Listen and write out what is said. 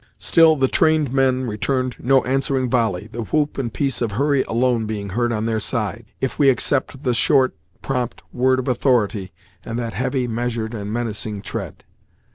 Still the trained men returned no answering volley, the whoop and piece of Hurry alone being heard on their side, if we except the short, prompt word of authority, and that heavy, measured and menacing tread.